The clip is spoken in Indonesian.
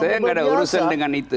saya nggak ada urusan dengan itu